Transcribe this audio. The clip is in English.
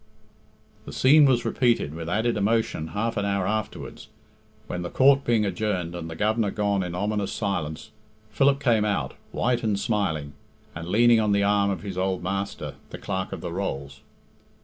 The scene was repeated with added emotion half an hour afterwards, when, the court being adjourned and the Governor gone in ominous silence, Philip came out, white and smiling, and leaning on the arm of his old master, the Clerk of the Rolls.